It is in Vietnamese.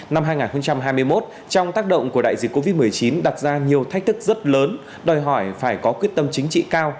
năm hai nghìn hai mươi một trong tác động của đại dịch covid một mươi chín đặt ra nhiều thách thức rất lớn đòi hỏi phải có quyết tâm chính trị cao